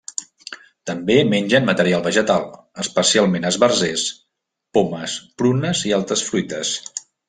També mengen material vegetal, especialment esbarzers, pomes, prunes i altres fruites.